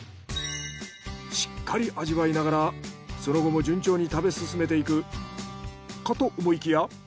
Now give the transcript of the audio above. しっかり味わいながらその後も順調に食べ進めていくかと思いきや。